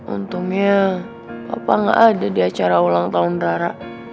untungnya papa nggak ada di acara ulang tahun rara